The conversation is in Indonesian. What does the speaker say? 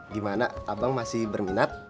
gimana abang masih berminat